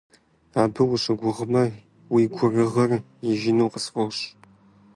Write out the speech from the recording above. Абы ущыгугъмэ, уи гурыгъыр ижыну къысфӀощӀ.